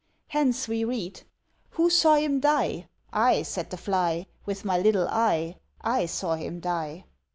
Hence we read: Who saw him die? "I," said the fly, " With my little eye, I saw him die."